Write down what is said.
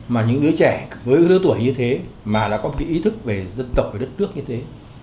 mà những đứa trẻ với đứa tuổi như thế mà có ý thức về dân tộc đất nước như thế